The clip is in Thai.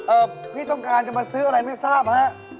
พี่ต้องการจะมาซื้ออะไรไม่ทราบฮะ